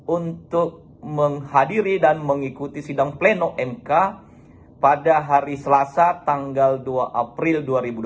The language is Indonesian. untuk menghadiri dan mengikuti sidang pleno mk pada hari selasa tanggal dua april dua ribu dua puluh